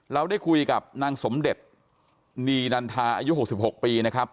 เราได้คุยกับนางสมเด็จนีนันทาอายุ๖๖ปีนะครับ